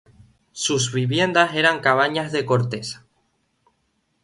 Sus viviendas eran cabañas de corteza.